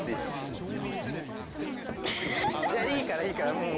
いいからいいからもう。